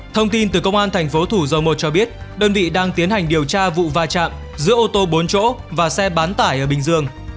thông tin từ công an thành phố thủ dầu một cho biết đơn vị đang tiến hành điều tra vụ va chạm giữa ô tô bốn chỗ và xe bán tải ở bình dương